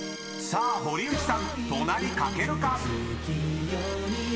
［さあ堀内さん「トナリ」書けるか⁉］